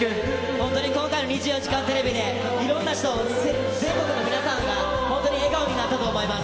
本当に今回の２４時間テレビで、いろんな人、全国の皆さんが本当に笑顔になったと思います。